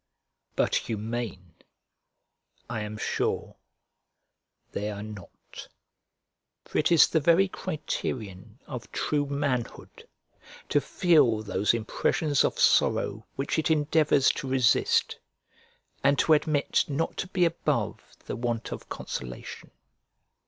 But humane, I am sure, they are not; for it is the very criterion of true manhood to feel those impressions of sorrow which it endeavors to resist, and to admit not to be above the want of consolation.